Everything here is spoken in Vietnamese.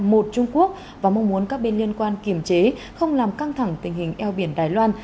một trung quốc và mong muốn các bên liên quan kiểm chế không làm căng thẳng tình hình eo biển đài loan